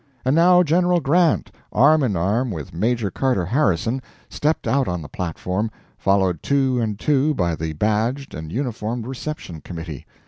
And now General Grant, arm in arm with Major Carter Harrison, stepped out on the platform, followed two and two by the badged and uniformed reception committee.